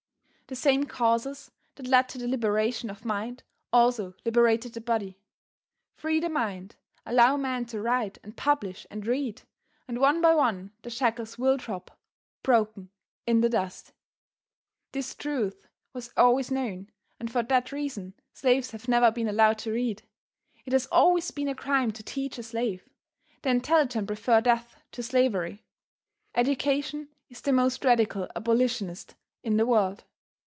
The same causes that led to the liberation of mind also liberated the body. Free the mind, allow men to write and publish and read, and one by one the shackles will drop, broken, in the dust. This truth was always known, and for that reason slaves have never been allowed to read. It has always been a crime to teach a slave. The intelligent prefer death to slavery. Education is the most radical abolitionist in the world.